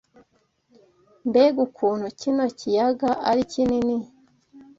Mbega ukuntu kino kiyaga ari kinini